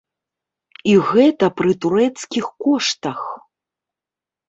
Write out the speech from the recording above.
І гэта пры турэцкіх коштах!